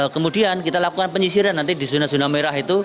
kemudian kita lakukan penyisiran nanti di zona zona merah itu